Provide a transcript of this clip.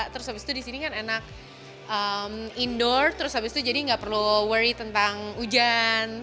terus habis itu disini kan enak indoor terus habis itu jadi nggak perlu worry tentang hujan